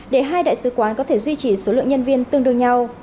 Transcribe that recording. để hai đại sứ quán có thể duy trì số lượng nhân viên tương đương nhau